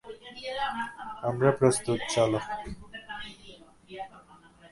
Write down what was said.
আমরা প্রস্তুত, চলো।